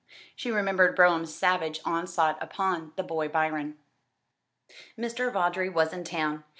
She remembered Brougham's savage onslaught upon the boy Byron. Mr. Vawdrey was in town.